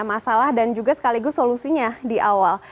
masalah dan juga sekaligus solusinya di awal